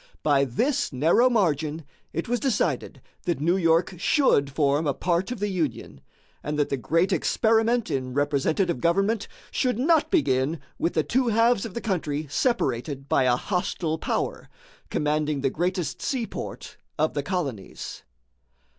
By this narrow margin it was decided that New York should form a part of the Union, and that the great experiment in representative government should not begin with the two halves of the country separated by a hostile power, commanding the greatest seaport of the colonies.